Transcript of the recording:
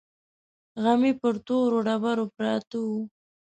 غمي پر تورو ډبرو پراته وو.